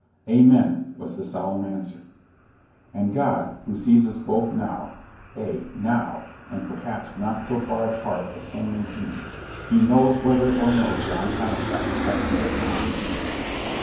"Amen!" was the solemn answer. And God, who sees us both now ay, NOW! and, perhaps, not so far apart as some may deem He knows whether or no John Halifax kept that vow.